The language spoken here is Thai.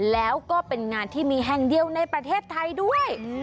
แล้วก็เป็นงานที่มีแห่งเดียวในประเทศไทยด้วย